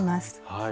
はい。